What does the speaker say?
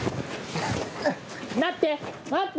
待って！